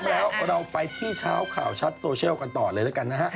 พร้อมแล้วเราไปที่เช้าข่าวชัดโซเชียลกันต่อเลยนะฮะ